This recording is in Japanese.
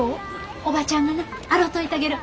おばちゃんがな洗といたげる。